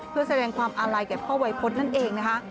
เพื่อแสดงความอาลัยแก่พ่อวัยพฤษนั่นเองนะคะ